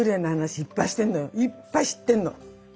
いっぱい知ってんの！